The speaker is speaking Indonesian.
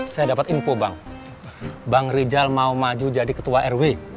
saya dapat info bang bang rijal mau maju jadi ketua rw